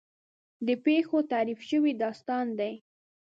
د پېښو تحریف شوی داستان دی.